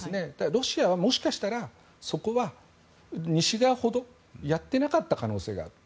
ロシアはもしかしたらそこは西側ほどやっていなかった可能性がある。